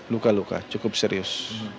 luka luka cukup serius